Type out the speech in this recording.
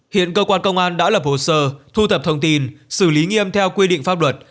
hiện cơ quan công an đã lập hồ sơ thu thập thông tin xử lý nghiêm theo quy định pháp luật